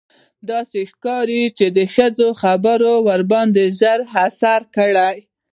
داسې ښکارېده چې د ښځې خبرو ورباندې ژور اثر کړی.